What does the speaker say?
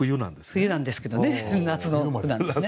冬なんですけどね夏の句なんですね。